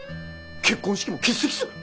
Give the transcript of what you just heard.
結婚式も欠席する！